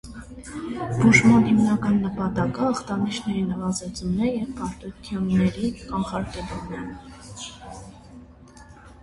Բուժման հիմնական նպատակն ախտանիշների նվազեցումն և բարդությունների կանխարգելումն է։